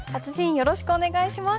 よろしくお願いします。